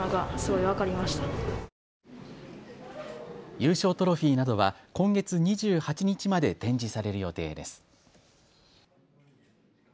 優勝トロフィーなどは今月２８日まで展示される予定です。